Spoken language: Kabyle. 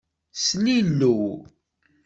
Slilew.